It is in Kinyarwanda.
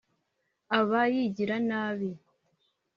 aba yigira nabi